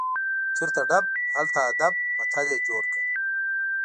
چیرته ډب، هلته ادب متل یې جوړ کړ.